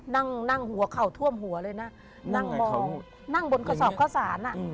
นั่งหัวเข่าท่วมหัวเลยนะนั่งบนกระสอบขสานน่ะ